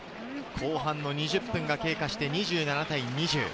後半の２０分が経過して２７対２０。